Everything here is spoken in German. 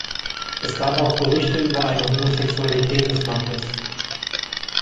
Es gab auch Gerüchte über eine Homosexualität des Marquess.